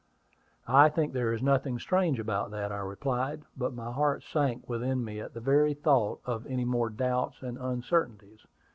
"I think there is nothing strange about that," I replied; but my heart sank within me at the very thought of any more doubts and uncertainties.